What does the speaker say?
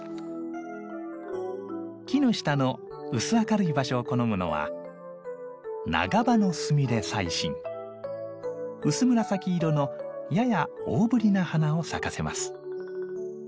木の下の薄明るい場所を好むのは薄紫色のやや大ぶりな花を咲かせます。